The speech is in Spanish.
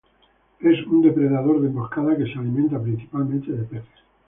Es un depredador de emboscada que se alimenta principalmente de peces.